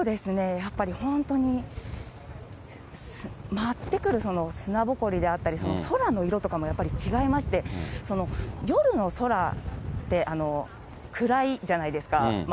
やっぱり本当に舞ってくる砂ぼこりであったり、空の色とかも違いまして、夜の空って暗いじゃないですか。